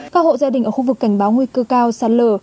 các hộ gia đình ở khu vực cảnh báo nguy cơ cao sạt lở